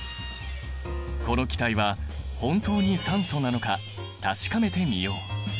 この気体は本当に酸素なのか確かめてみよう。